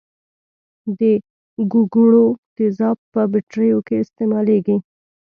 د ګوګړو تیزاب په بټریو کې استعمالیږي.